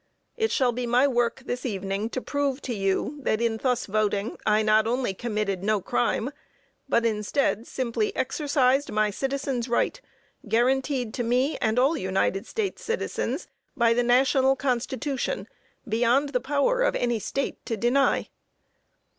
It shall be my work this evening to prove to you that in thus voting, I not only committed no crime, but, instead, simply exercised my citizen's right, guaranteed to me and all United States citizens by the National Constitution, beyond the power of any State to deny.